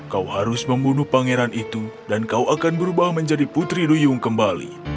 kau harus membunuh pangeran itu dan kau akan berubah menjadi putri duyung kembali